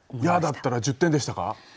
「や」だったら１０点でしたか？